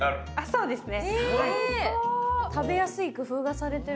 そうですね。